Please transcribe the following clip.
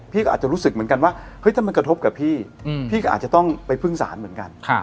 อาจจะรู้สึกเหมือนกันว่าเฮ้ยถ้ามันกระทบกับพี่พี่ก็อาจจะต้องไปพึ่งศาลเหมือนกัน